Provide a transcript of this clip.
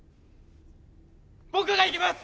僕が行きます！